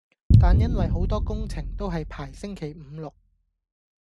但因為好多工程都係排星期五六